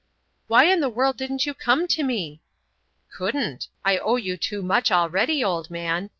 "Why in the world didn't you come to me?" "Couldn't; I owe you too much already, old man.